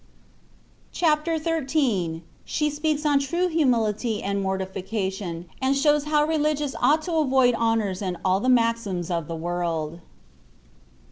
CHAPTER XIII. SHE SPEAKS ON TRUE HUMILITY AND MORTIFICATION, AND SHOWS HOW RELIGMOUS OUGHT TO AVOID HONOURS AND ALL THE MAXIMS OF THE WORLD.